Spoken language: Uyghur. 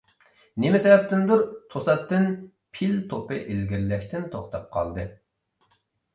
نېمە سەۋەبتىندۇر، توساتتىن پىل توپى ئىلگىرىلەشتىن توختاپ قالدى.